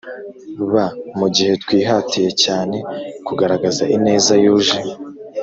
b Mu gihe twihatiye cyane kugaragaza ineza yuje